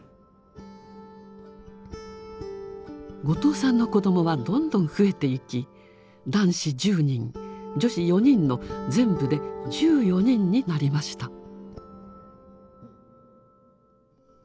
後藤さんの子どもはどんどん増えていき男子１０人女子４人の全部で１４人になりました。